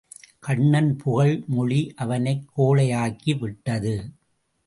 கண்ணன் புகழ் மொழி அவனைக் கோழையாக்கி விட்டது.